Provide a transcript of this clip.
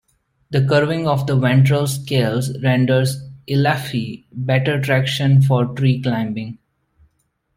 The curving of the ventral scales renders "Elaphe" better traction for tree climbing.